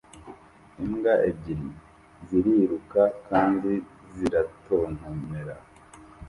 Imbwa ebyiri ziriruka kandi ziratontomera